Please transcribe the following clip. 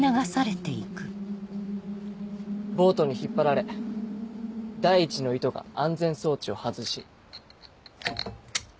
ボートに引っ張られ第１の糸が安全装置を外し。